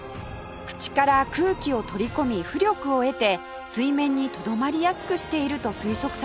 口から空気を取り込み浮力を得て水面にとどまりやすくしていると推測されています